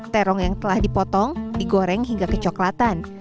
terong yang telah dipotong digoreng hingga kecoklatan